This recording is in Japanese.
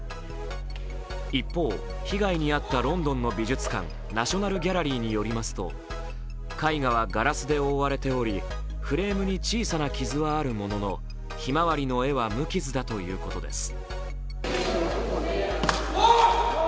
一方、被害に遭ったロンドンの美術館、ナショナル・ギャラリーによりますと、絵画はガラスで覆われており、フレームに小さな傷はあるものの「ひまわり」の絵は無傷だということです。